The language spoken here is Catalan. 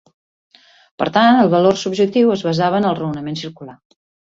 Per tant, el valor subjectiu es basava en el raonament circular.